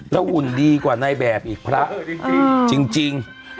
แล้วอุ่นดีกว่านายแบบอีกพระจริง